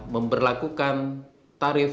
memberlakukan tarif rp satu